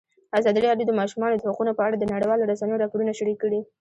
ازادي راډیو د د ماشومانو حقونه په اړه د نړیوالو رسنیو راپورونه شریک کړي.